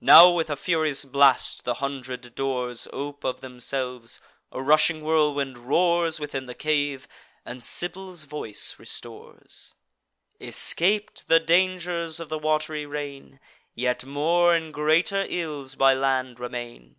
Now, with a furious blast, the hundred doors Ope of themselves; a rushing whirlwind roars Within the cave, and Sibyl's voice restores: "Escap'd the dangers of the wat'ry reign, Yet more and greater ills by land remain.